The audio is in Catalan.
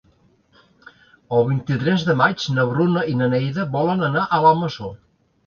El vint-i-tres de maig na Bruna i na Neida volen anar a la Masó.